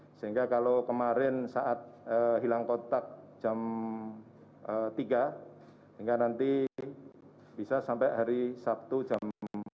sehingga kalau kemarin saat hilang kontak jam tiga hingga nanti bisa sampai hari sabtu jam